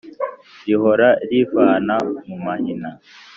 Rihora rimvana mu mahina.